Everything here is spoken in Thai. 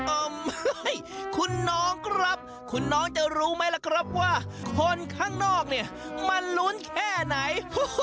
โอ้โหคุณน้องครับคุณน้องจะรู้ไหมล่ะครับว่าคนข้างนอกเนี่ยมันลุ้นแค่ไหน